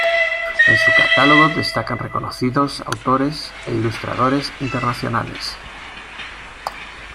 En su catálogo destacan reconocidos autores e ilustradores internacionales.